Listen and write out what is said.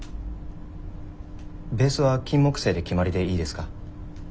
ベースはキンモクセイで決まりでいいですか？